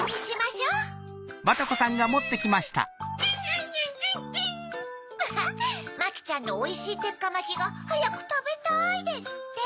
まぁ「マキちゃんのおいしいてっかまきがはやくたべたい」ですって。